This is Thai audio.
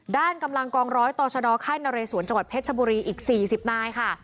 ด้านกำลังกองร้อยต่อชดค่ายนเรสวนจังหวัดเพชรชบุรีอีก๔๐นายค่ะ